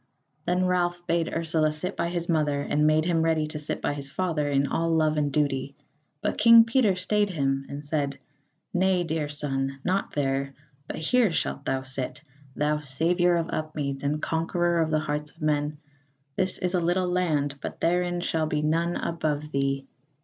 Then Ralph bade Ursula sit by his mother, and made him ready to sit by his father in all love and duty. But King Peter stayed him and said: "Nay, dear son, not there, but here shalt thou sit, thou saviour of Upmeads and conqueror of the hearts of men; this is a little land, but therein shall be none above thee."